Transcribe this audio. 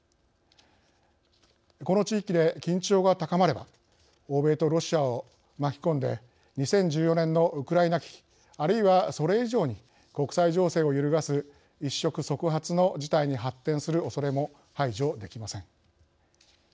この地域で緊張が高まれば欧米とロシアを巻き込んで２０１４年のウクライナ危機あるいは、それ以上に国際情勢を揺るがす一触即発の事態に発展するおそれも排除できません。